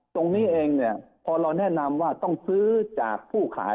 ตรงนี้เองเนี่ยพอเราแนะนำว่าต้องซื้อจากผู้ขาย